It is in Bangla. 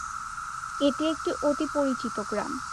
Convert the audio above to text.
এটি একটি অতি পরিচিত গ্রাম।